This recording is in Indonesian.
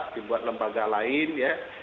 dibuat lembaga lain ya